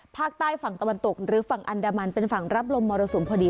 ภาคใต้ฝั่งตะวันตกหรือฝั่งอันดามันเป็นฝั่งรับลมมรสุมพอดี